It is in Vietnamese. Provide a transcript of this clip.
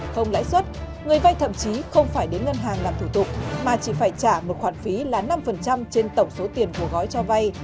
không lãi suất người vay thậm chí không phải đến ngân hàng làm thủ tục mà chỉ phải trả một khoản phí là năm trên tổng số tiền của gói cho vay